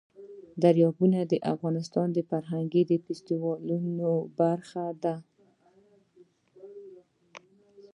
دریابونه د افغانستان د فرهنګي فستیوالونو برخه ده.